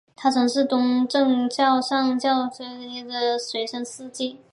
他曾是东正教上海教区圣伊望主教的随侍司祭。